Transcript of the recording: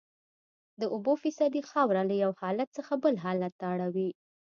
د اوبو فیصدي خاوره له یو حالت څخه بل حالت ته اړوي